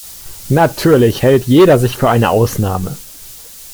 Natürlich hält jeder sich für eine Ausnahme.